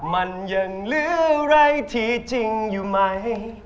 มันยังเหลืออะไรที่จริงอยู่ไหม